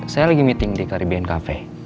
saya lagi meeting di karibn cafe